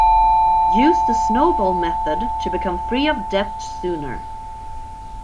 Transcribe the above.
Use the snowball method to become free of debt sooner.